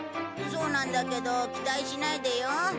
そうなんだけど期待しないでよ。